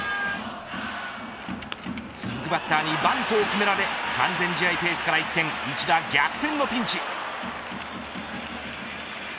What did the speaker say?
続くバッターにバントを決められ完全試合ペースから一転一打逆転のピンチ。